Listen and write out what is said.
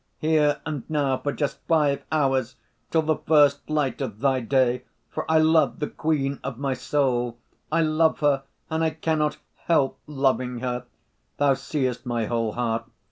Here and now for just five hours ... till the first light of Thy day ... for I love the queen of my soul ... I love her and I cannot help loving her. Thou seest my whole heart....